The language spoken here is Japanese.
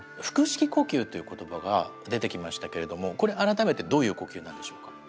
「腹式呼吸」という言葉が出てきましたけれどもこれ改めてどういう呼吸なんでしょうか？